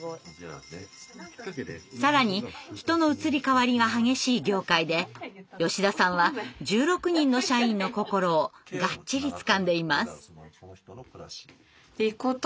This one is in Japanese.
更に人の移り変わりが激しい業界で吉田さんは１６人の社員の心をガッチリつかんでいます。